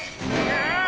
・ああ！